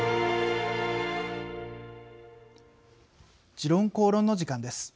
「時論公論」の時間です。